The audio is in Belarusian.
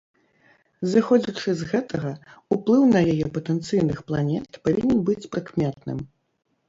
Зыходзячы з гэтага, уплыў на яе патэнцыйных планет павінен быць прыкметным.